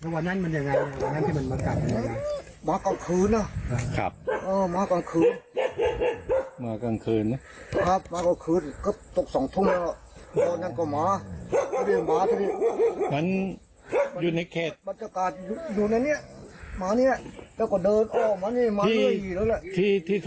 วันนั้นมันยังไงวันนั้นที่มันกัดมันยังไง